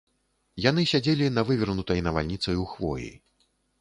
Яны сядзелі на вывернутай навальніцаю хвоі.